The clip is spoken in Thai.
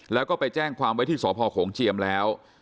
แล้วก็ไปแจ้งความไว้ที่สพโขงเจียมแล้ว